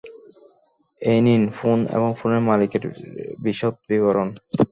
এই নিন ফোন এবং ফোনের মালিকের বিশদ বিবরণ।